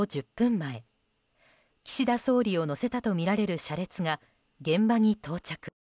前岸田総理を乗せたとみられる車列が現場に到着。